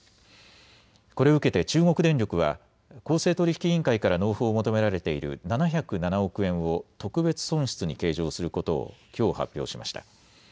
これを受けて中国電力は公正取引委員会から納付を求められている７０７億円を特別損失に計上することをきょう発表しました。